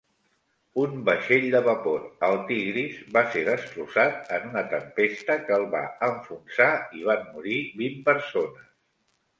Un vaixell de vapor, el "Tigris", va ser destrossat en una tempesta que el va enfonsar i van morir vint persones.